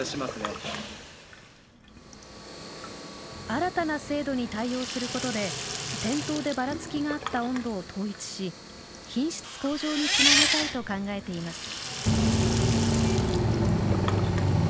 新たな制度に対応することで店頭でばらつきがあった温度を統一し品質向上につなげたいと考えています。